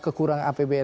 oke hutang menambah ya